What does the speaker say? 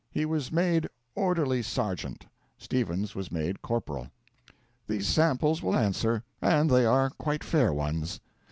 He was made orderly sergeant; Stevens was made corporal. These samples will answer and they are quite fair ones.